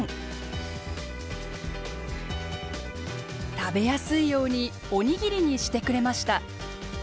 食べやすいようにおにぎりにしてくれました。